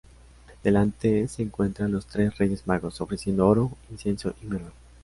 Delante se encuentran los tres Reyes Magos, ofreciendo oro, incienso y mirra.